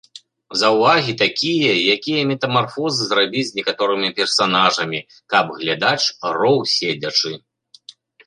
Заўвагі такія, якія метамарфозы зрабіць з некаторымі персанажамі, каб глядач роў седзячы.